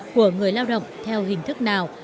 của người lao động theo hình thức nào